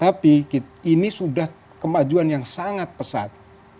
tapi ini sudah kemajuan yang sangat pesat